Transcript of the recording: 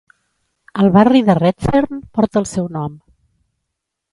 El barri de Redfern porta el seu nom.